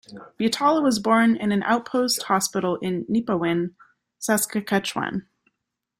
Butala was born in an outpost hospital in Nipawin, Saskatchewan.